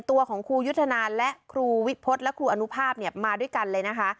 ตัวของครูยุทธนาและครูวิพฤษและครูอนุภาพเนี่ยมาด้วยกันเลยนะคะ